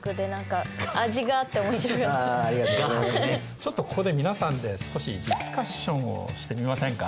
ちょっとここで皆さんで少しディスカッションをしてみませんか？